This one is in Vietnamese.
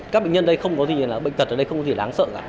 các bệnh nhân đây không có gì là bệnh tật ở đây không có gì đáng sợ cả